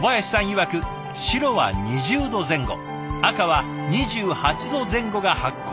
いわく白は２０度前後赤は２８度前後が発酵の適温。